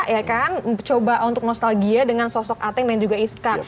ya kan coba untuk nostalgia dengan sosok ateng dan juga iska